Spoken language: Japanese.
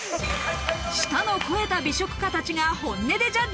舌の肥えた美食家たちが本音でジャッジ。